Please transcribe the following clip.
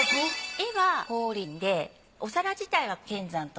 絵は光琳でお皿自体は乾山と。